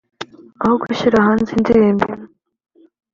aho gushyira hanze indirimbo imwe